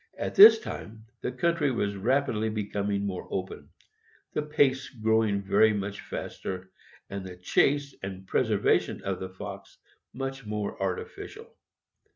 At this time the country was rapidly becoming more open, the pace growing very much faster, and the chase and preservation of the fox much more artificial.